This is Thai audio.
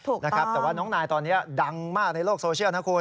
นะครับแต่ว่าน้องนายตอนนี้ดังมากในโลกโซเชียลนะคุณ